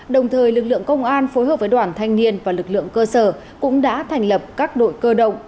đồng thời lực lượng công an phối hợp với đoàn thanh niên và lực lượng cơ sở cũng đã thành lập các đội cơ động